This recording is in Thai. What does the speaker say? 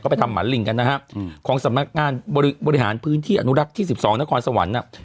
ไปทำหมันลิงกันนะฮะของสำนักงานบริหารพื้นที่อนุรักษ์ที่๑๒นครสวรรค์